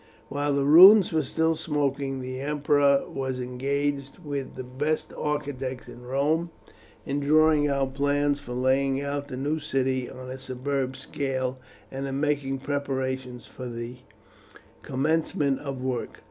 While the ruins were still smoking the emperor was engaged with the best architects in Rome in drawing out plans for laying out the new city on a superb scale, and in making preparations for the commencement of work.